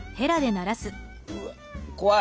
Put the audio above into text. うわっ怖い！